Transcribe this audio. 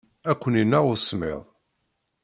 Ad ken-ineɣ usemmiḍ.